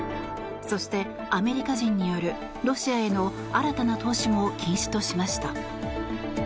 そして、アメリカ人によるロシアへの新たな投資も禁止としました。